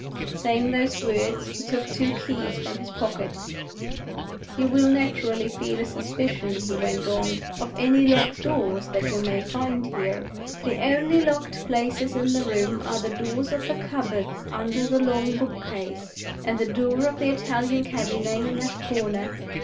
Saying those words, he took two keys from his pocket. "You will naturally feel a suspicion," he went on, "of any locked doors that you may find here. The only locked places in the room are the doors of the cupboards under the long book case, and the door of the Italian cabinet in that corner.